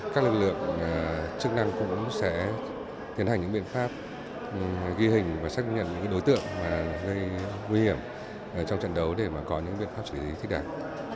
các lực lượng chức năng cũng sẽ tiến hành những biện pháp ghi hình và xác nhận những đối tượng gây nguy hiểm trong trận đấu để có những biện pháp xử lý thích đáng